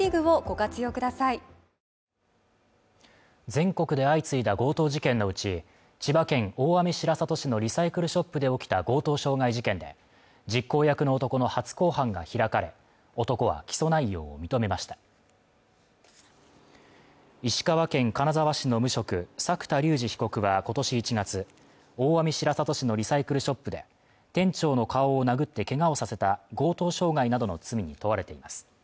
全国で相次いだ強盗事件のうち千葉県大網白里市のリサイクルショップで起きた強盗傷害事件で実行役の男の初公判が開かれ男は起訴内容を認めました石川県金沢市の無職作田竜二被告は今年１月大網白里市のリサイクルショップで店長の顔を殴ってけがをさせた強盗傷害などの罪に問われています